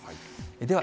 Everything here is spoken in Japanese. では